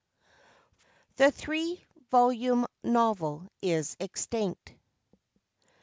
"The three volume novel is extinct."